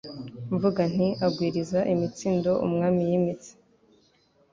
mvuga nti Agwiriza imitsindo umwami yimitse